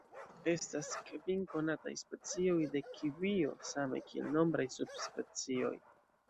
Estas kvin konataj specioj de kivio, same kiel nombraj subspecioj.